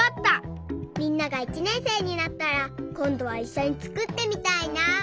みんなが１ねんせいになったらこんどはいっしょにつくってみたいな。